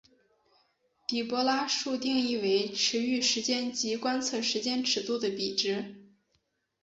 底波拉数定义为驰豫时间及观测时间尺度的比值。